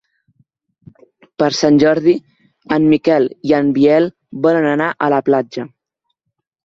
Per Sant Jordi en Miquel i en Biel volen anar a la platja.